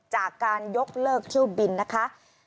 จากการยกเลิกเที่ยวบินนะคะ